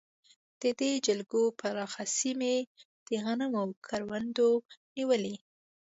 د دې جلګو پراخه سیمې د غنمو کروندو نیولې.